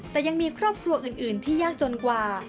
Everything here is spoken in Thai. แต่ยังมีครอบครัวอื่นที่ยากจนกว่า